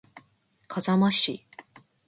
笠間市